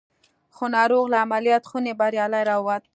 خو ناروغ له عملیات خونې بریالی را وووت